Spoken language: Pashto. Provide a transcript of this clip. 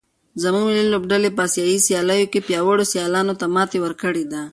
زموږ ملي لوبډلې په اسیايي سیالیو کې پیاوړو سیالانو ته ماتې ورکړې ده.